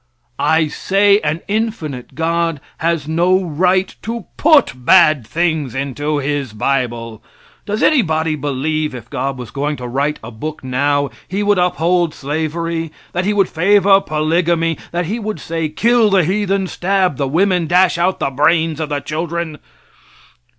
I say, an infinite God has no right to put bad things into His bible. Does anybody believe if God was going to write a book now He would uphold slavery; that He would favor polygamy; that He would say kill the heathen, stab the women, dash out the brains of the children?